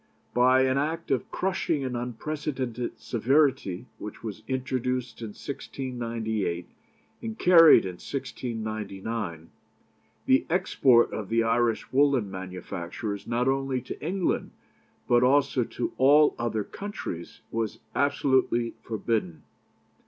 By an Act of crushing and unprecedented severity, which was introduced in 1698 and carried in 1699, the export of the Irish woollen manufactures, not only to England, but also to all other countries, was absolutely forbidden.